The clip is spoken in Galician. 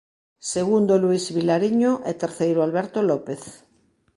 Segundo Luis Vilariño e terceiro Alberto López.